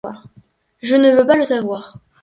Je ne veux pas le savoir.